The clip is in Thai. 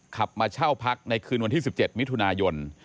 ขับมาเช่าพักในคืนวันที่๑๗มิถุนายน